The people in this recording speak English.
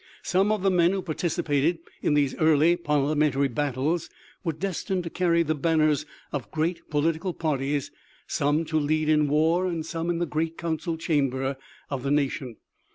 Some of the men who participated in these early parliament ary battles were destined to carry the banners of great political parties, some to lead in war and some in the great council chamber of the nation.